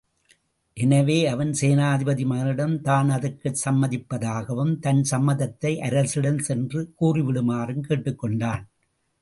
எனவே அவன் சேனாதிபதி மகனிடம் தான் அதற்குச் சம்மதிப்பதாகவும், தன் சம்மதத்தை அரசனிடம் சென்று கூறிவிடுமாறும் கேட்டுக்கொண்டான்.